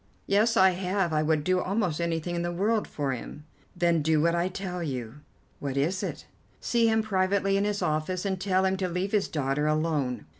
"Yes, I have. I would do almost anything in the world for him." "Then do what I tell you." "What is it?" "See him privately in his office, and tell him to leave his daughter alone.